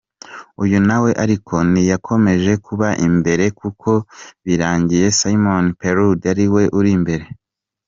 Uyu nawe ariko ntiyakomeje kuba imbere kuko birangiye Simon Pellaud ari we uri imbere.